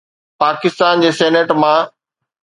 پاڪستان جي سينيٽ مان.